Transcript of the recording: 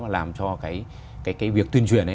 làm cho cái việc tuyên truyền